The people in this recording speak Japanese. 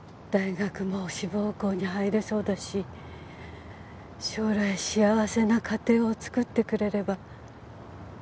大学も志望校に入れそうだし将来幸せな家庭を作ってくれれば。